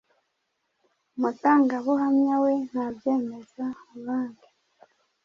Umutangabuhamya we ntabyemeza abandi